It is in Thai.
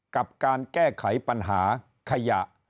กับการแก้ไขปัญหาขยะ